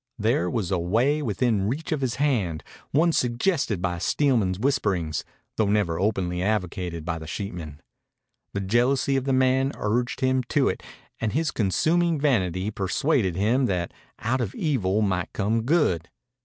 There was a way within reach of his hand, one suggested by Steelman's whisperings, though never openly advocated by the sheepman. The jealousy of the man urged him to it, and his consuming vanity persuaded him that out of evil might come good.